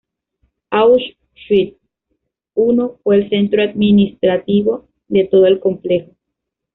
Auschwitz I fue el centro administrativo de todo el complejo.